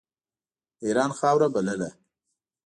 د اېران خاوره بلله.